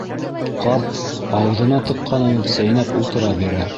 Ҡарт ауыҙына тыҡҡанын сәйнәп ултыра бирә.